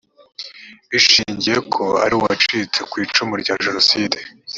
bishingiye ko ari uwacitse ku icumu rya jenoside